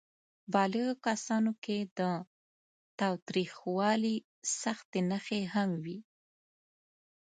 بالغو کسانو کې د تاوتریخوالي سختې نښې هم وې.